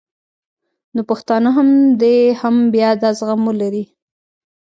نو پښتانه دې هم بیا دا زغم ولري